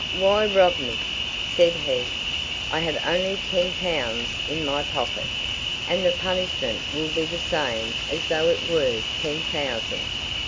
"'Why rob me?' said he. 'I have only ten pounds in my pocket, and the punishment will be the same as though it were ten thousand.'